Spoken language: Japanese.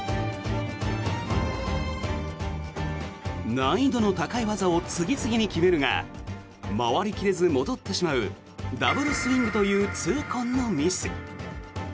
難易度の高い技を次々に決めるが回り切れず戻ってしまうダブルスイングという痛恨のミス。